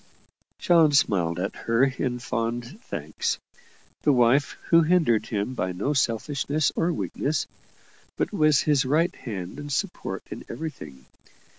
John smiled at her in fond thanks the wife who hindered him by no selfishness or weakness, but was his right hand and support in everything.